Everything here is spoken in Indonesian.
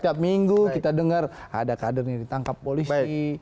setiap minggu kita dengar ada kader yang ditangkap polisi